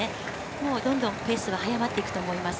もうどんどんペースは早まっていくと思います。